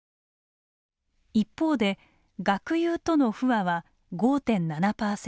一方で学友との不和は５．７％。